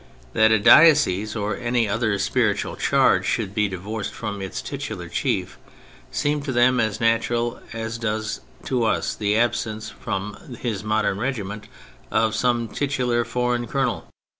That a diocese or any other spiritual charge should be divorced from its titular chief, seemed to them as natural as does to us the absence from his modern regiment of some titular foreign colonel.